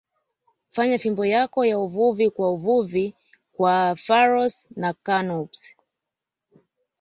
fanya fimbo yako ya uvuvi kwa wavuvi wa Pharos na Canopus